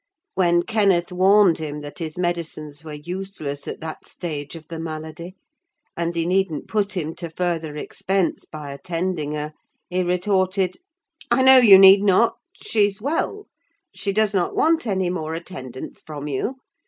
When Kenneth warned him that his medicines were useless at that stage of the malady, and he needn't put him to further expense by attending her, he retorted, "I know you need not—she's well—she does not want any more attendance from you!